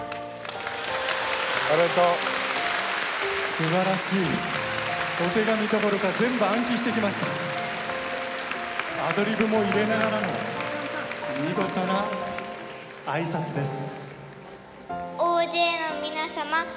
素晴らしいお手紙どころか全部暗記してきましたアドリブも入れながらの見事な挨拶です